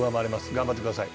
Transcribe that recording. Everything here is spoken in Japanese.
頑張ってください。